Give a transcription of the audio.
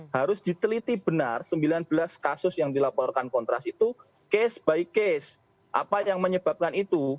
harus diteliti benar sembilan belas kasus yang dilaporkan kontras itu case by case apa yang menyebabkan itu